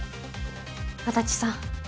足立さん